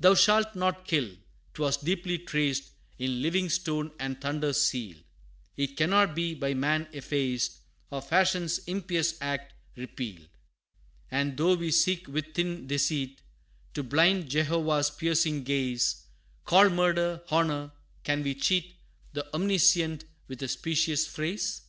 Thou shalt not kill!' 'Twas deeply traced In living stone, and thunder sealed; It cannot be by man effaced, Or fashion's impious act repealed. And though we seek with thin deceit, To blind Jehovah's piercing gaze, Call murder, honor, can we cheat The Omniscient with a specious phrase?